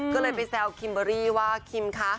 ก็เลยไปแซวคิมเบอร์รี่ว่าคิมคะ